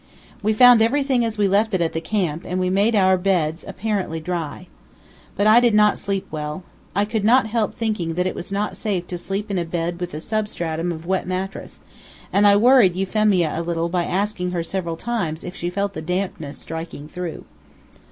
We found everything as we left it at the camp, and we made our beds apparently dry. But I did not sleep well. I could not help thinking that it was not safe to sleep in a bed with a substratum of wet mattress, and I worried Euphemia a little by asking her several times if she felt the dampness striking through.